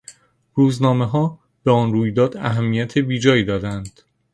روزنامهها به آن رویداد اهمیت بیجایی دادند.